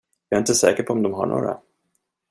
Jag är inte säker på om de har några.